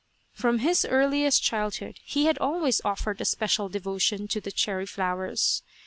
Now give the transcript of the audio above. From his earliest childhood he had always offered a special devotion to the cherry flowers.